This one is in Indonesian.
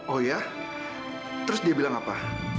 oh ya terus dia bilang apa